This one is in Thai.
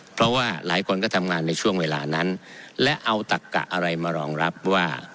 เพราะว่าหลายคนก็ทำงานในช่วงเวลานั้นและเอาตักกะอะไรมารองรับว่า